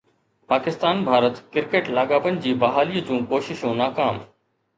پاڪستان-ڀارت cricket لاڳاپن جي بحاليءَ جون ڪوششون ناڪام